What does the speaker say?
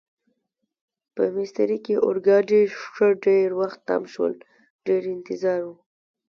په میسترې کې اورګاډي ښه ډېر وخت تم شول، ډېر انتظار و.